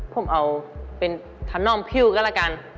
ผมเอาเป็นถนอมพิวก็แล้วกัน